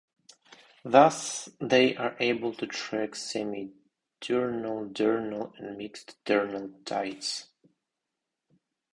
Thus, they are able to track semi-diurnal, diurnal and mixed diurnal tides.